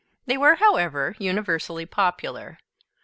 They were, however, universally popular.